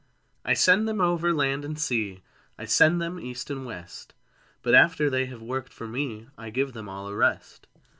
I send them over land and sea, I send them east and west; But after they have worked for me, I give them all a rest.